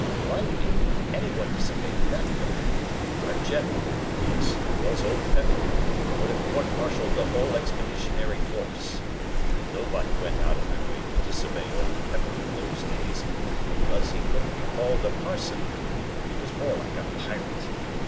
Blime me, if anyone disobeyed that command, our General yes, it was Old Pepper, would have courtmartialed the whole Expeditionary Force. Nobody went out of their way to disobey Old Pepper in those days, because he couldn't be called a parson; he was more like a pirate.